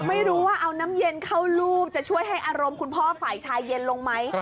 ไม่รู้ว่าเอาน้ำเย็นเข้ารูปจะช่วยให้อารมณ์คุณพ่อฝ่ายชายเย็นลงไหม